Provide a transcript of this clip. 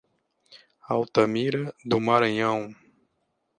Altamira do Maranhão